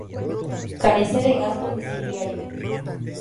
Carece de gas domiciliario.